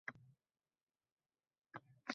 Shunaqangi hosil berdiki, asti qo‘yaverasiz.